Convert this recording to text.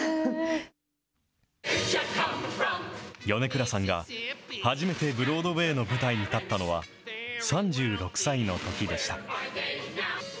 米倉さんが初めてブロードウェイの舞台に立ったのは３６歳のときでした。